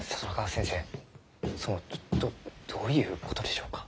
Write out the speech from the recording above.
そのどどういうことでしょうか？